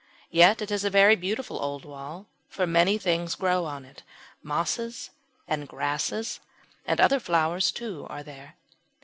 Yet it is a very beautiful old wall, for many things grow on it; mosses and grasses, and other flowers too, are there.